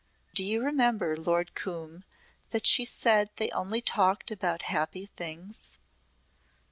Do you remember, Lord Coombe, that she said they only talked about happy things?"